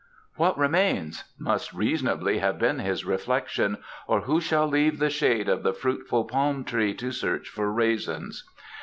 "What remains?" must reasonably have been his reflection; "or who shall leave the shade of the fruitful palm tree to search for raisins?"